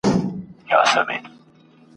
په خوله ذکر په زړه مکر تر خرقې لاندي جامونه ..